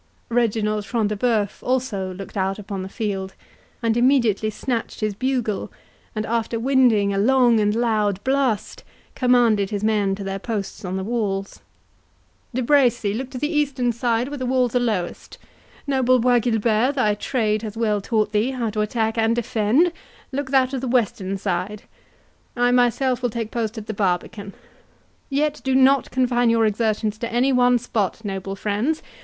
Reginald Front de Bœuf also looked out upon the field, and immediately snatched his bugle; and, after winding a long and loud blast, commanded his men to their posts on the walls. "De Bracy, look to the eastern side, where the walls are lowest—Noble Bois Guilbert, thy trade hath well taught thee how to attack and defend, look thou to the western side—I myself will take post at the barbican. Yet, do not confine your exertions to any one spot, noble friends!